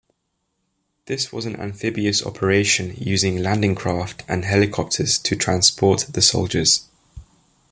This was an amphibious operation using landing craft and helicopters to transport the soldiers.